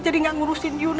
jadi gak ngurusin yunus